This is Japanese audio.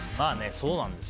そうなんですよ